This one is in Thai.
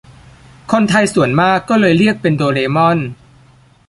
คนไทยส่วนมากก็เลยเรียกเป็นโดเรมอน